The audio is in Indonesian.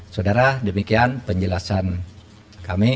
saudara demikian penjelasan kami